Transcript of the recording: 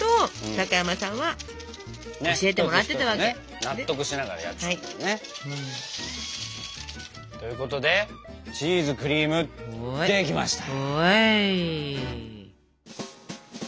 一つ一つね納得しながらやってたんだろうね。ということでチーズクリームできました。